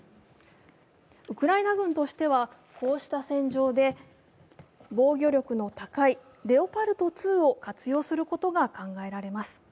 ウクライナ軍としては、こうした戦場で防御力の高いレオパルト２を活用することが考えられます。